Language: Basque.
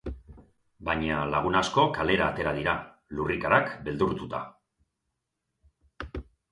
Baina lagun asko kalera atera dira, lurrikarak beldurtuta.